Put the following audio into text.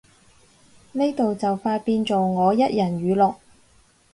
呢度就快變做我一人語錄